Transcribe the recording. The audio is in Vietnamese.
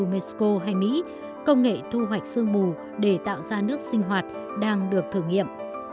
u mexico hay mỹ công nghệ thu hoạch sương mù để tạo ra nước sinh hoạt đang được thử nghiệm